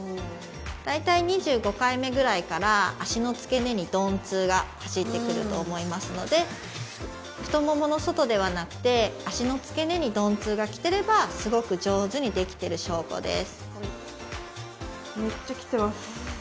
大体２５回目ぐらいから足の付け根に鈍痛が走ってくると思いますので太ももの外ではなくて足の付け根に鈍痛がきてればすごく上手にできてる証拠です